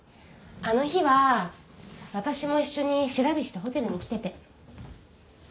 あの日は私も一緒に白菱とホテルに来てて。